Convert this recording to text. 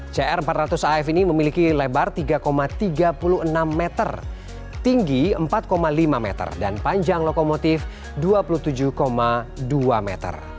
cr empat ratus af ini memiliki lebar tiga tiga puluh enam meter tinggi empat lima meter dan panjang lokomotif dua puluh tujuh dua meter